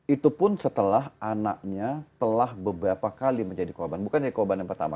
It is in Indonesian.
itu pun setelah anaknya telah beberapa kali menjadi korban bukan jadi korban yang pertama